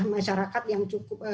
masyarakat yang cukup